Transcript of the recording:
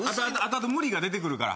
後々無理が出てくるから。